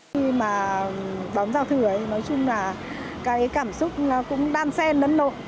khi mà đón giao thừa nói chung là cái cảm xúc cũng đan sen